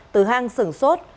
từ hang sửng sốt